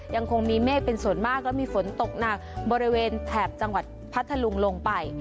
ยังคงมีเมฆเป็นส่วนมากและมีฝนตกหนักบริเวณแถบจังหวัดพัทธลุงลงไป